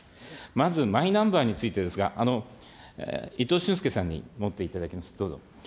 まずマイナンバーについてですが、いとうしゅんすけさんに持っていただきます、どうぞ。